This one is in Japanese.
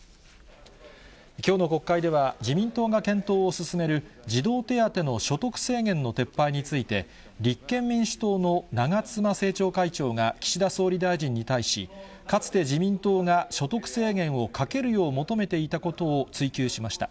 きょうの国会では、自民党が検討を進める、児童手当の所得制限の撤廃について、立憲民主党の長妻政調会長が岸田総理大臣に対し、かつて自民党が所得制限をかけるよう求めていたことを追及しました。